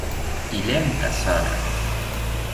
Il aime ta sœur.